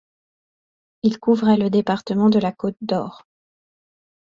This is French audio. Il couvrait le département de la Côte-d'Or.